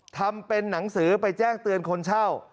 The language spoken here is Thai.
ทำเป็นหนังสือไปแจ้งเตือนคนเช่า